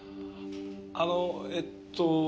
あのえっと。